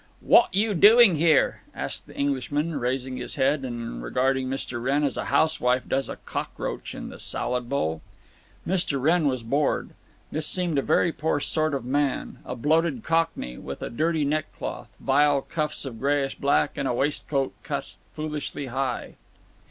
"Wot you doing here?" asked the Englishman, raising his head and regarding Mr. Wrenn as a housewife does a cockroach in the salad bowl. Mr. Wrenn was bored. This seemed a very poor sort of man; a bloated Cockney, with a dirty neck cloth, vile cuffs of grayish black, and a waistcoat cut foolishly high.